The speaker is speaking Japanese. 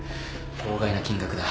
法外な金額だ。